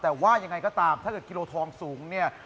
แต่ว่ายังไงก็ตามถ้าเกิดกิโลทองสูงเนี่ย